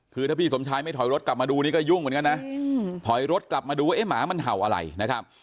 คือถ้าพี่สมชายไม่ถอยรถกลับมาดูนี่ก็ยุ่งเหมือนกันนะถอยรถกลับมาดูว่าเอ๊ะหมามันเห่าอะไรนะครับ